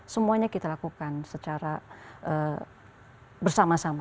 semuanya kita lakukan secara bersama sama